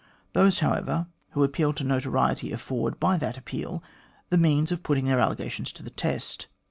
Those, however, who appeal to notoriety afford, by that appeal, the means of putting their allegations to the test.